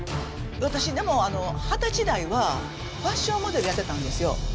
私でも二十歳代はファッションモデルやってたんですよ。